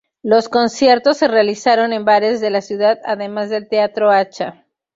Los conciertos se realizaron en bares de la ciudad además del Teatro Achá.